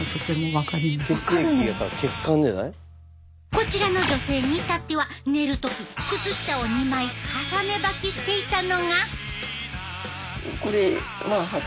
こちらの女性に至っては寝る時靴下を２枚重ね履きしていたのが。